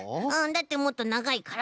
だってもっとながいから。